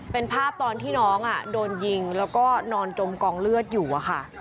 เป็นภาพตอนที่น้องโดนยิงแล้วก็นอนจมกองเลือดอยู่อะค่ะ